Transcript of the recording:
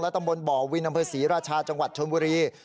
ตำบลบ่อวินอำเภอศรีราชาจังหวัดชนบุรี